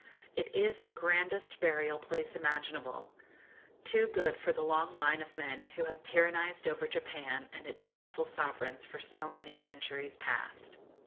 It is the grandest burial place imaginable; too good for the long line of men who have tyrannised over Japan and its lawful sovereigns for so many centuries past.